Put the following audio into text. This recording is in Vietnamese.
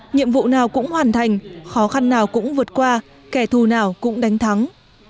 nhiệm vụ nào cũng hoàn thành khó khăn nào cũng vượt qua kẻ thù nào cũng đánh thắng